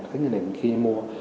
thấy như thế này khi mua